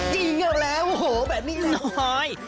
จริงแล้วแหละโอ้โหแบบนี้น้อย